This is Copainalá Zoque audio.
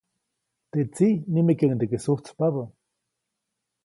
Teʼ tsiʼ nimekeʼuŋdeke sujtspabä.